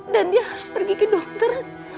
dan dia harus pergi ke dokter